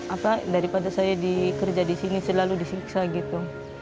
apa daripada saya dikerja di sini selalu disiksa gitu